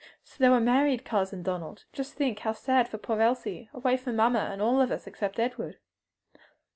So they were married, Cousin Donald. Just think how sad for poor Elsie! away from mamma and all of us except Edward!"